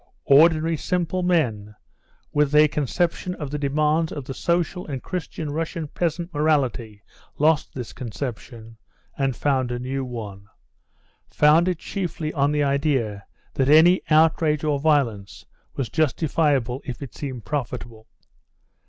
Ordinary, simple men with a conception of the demands of the social and Christian Russian peasant morality lost this conception, and found a new one, founded chiefly on the idea that any outrage or violence was justifiable if it seemed profitable.